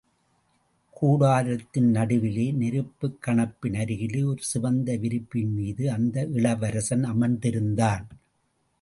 கூடாரத்தின் நடுவிலே நெருப்புக் கணப்பின் அருகிலே ஒரு சிவந்த விரிப்பின் மீது அந்த இளவரசன் அமர்ந்திருந்தான்.